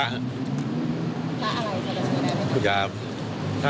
พระอะไรสำเร็จได้ไหมครับ